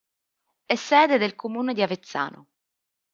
È sede del comune di Avezzano.